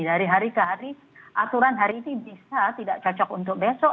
dari hari ke hari aturan hari ini bisa tidak cocok untuk besok